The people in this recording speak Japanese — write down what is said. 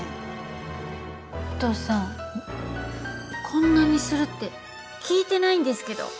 こんなにするって聞いてないんですけど。